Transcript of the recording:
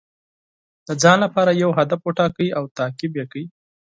د ځان لپاره یو هدف وټاکئ او تعقیب یې کړئ.